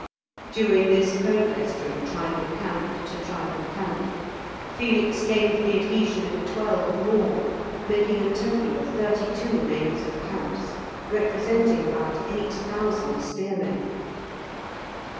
During this progress from tribal camp to tribal camp, Felix gained the adhesion of twelve more, making a total of thirty two names of camps, representing about eight thousand spearmen.